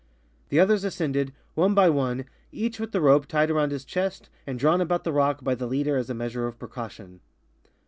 The others ascended, one by one, each witli the rope tied around liis chest and drawn about the rock by the leader as a measure of precaution.